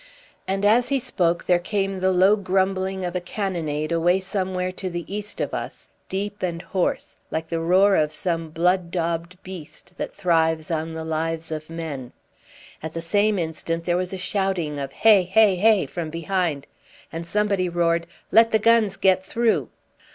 And as he spoke there came the low grumbling of a cannonade away somewhere to the east of us, deep and hoarse, like the roar of some blood daubed beast that thrives on the lives of men. At the same instant there was a shouting of "Heh! heh! heh!" from behind, and somebody roared, "Let the guns get through!"